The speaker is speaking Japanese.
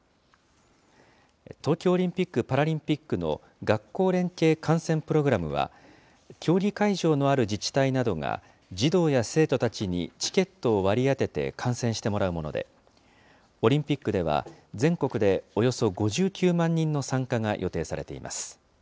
東京オリンピック・パラリンピックの学校連携観戦プログラムは、競技会場のある自治体などが、児童や生徒たちにチケットを割り当てて観戦してもらうもので、オリンピックでは、全国でおよそ５９万人の参加が予定されています。